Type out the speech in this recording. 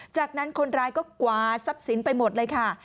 จากนั้นคนร้ายก็กวาดทรัพย์สินไปหมดเลยค่ะ